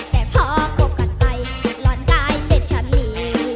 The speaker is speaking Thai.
แต่พอคบกันไปร้อนกายเป็นชะนี